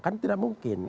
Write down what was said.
kan tidak mungkin